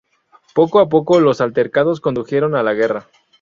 Poco a poco, los altercados condujeron a la guerra.